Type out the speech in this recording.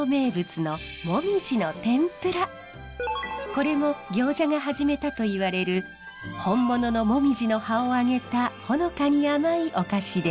これも行者がはじめたと言われる本物の紅葉の葉を揚げたほのかに甘いお菓子です。